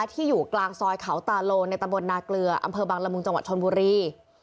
ที่อยู่กลางซอยเขาตาโลในตะบนนาเกลืออำเภอบังละมุงจังหวัดชนบุรี